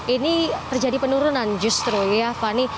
ini terjadi penurunan justru ya fani